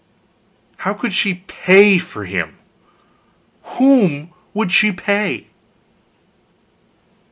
How could she pay for him! Whom could she pay?